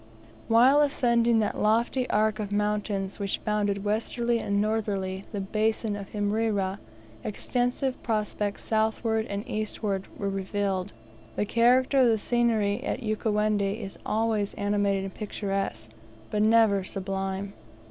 While ascending that lofty arc of mountains which bounded westerly and northerly the basin of Imrera, extensive prospects southward and eastward were revealed. The character of the scenery at Ukawendi is always animated and picturesque, but never sublime.